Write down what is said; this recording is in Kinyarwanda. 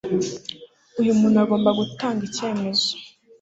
uyu muntu agomba gutanga icyemezo